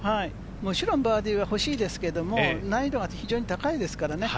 もちろんバーディーをほしいですけれど、難易度が非常に高いですからね。